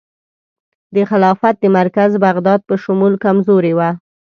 د خلافت د مرکز بغداد په شمول کمزوري وه.